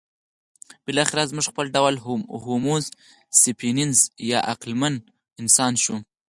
بالاخره زموږ خپل ډول هومو سیپینز یا عقلمن انسان شو.